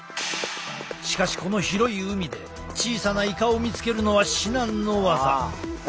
しかしこの広い海で小さなイカを見つけるのは至難の業。